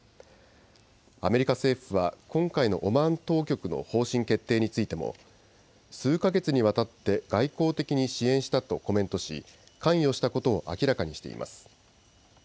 アメリカ政府は今回のオマーン当局の方針決定についても数か月にわたって外交的に支援したとコメントし関与したことを明らかにしています。